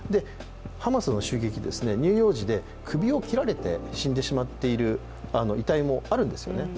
ハマスの襲撃、乳幼児で首を切られて死んでしまっている遺体はあるんですよね。